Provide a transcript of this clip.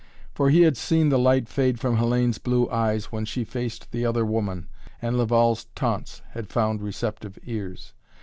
For he had seen the light fade from Hellayne's blue eyes when she faced the other woman, and Laval's taunts had found receptive ears.